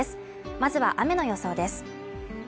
まずは雨の予想です。